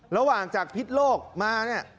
ระหว่างจากพิษโลกมาเนี่ย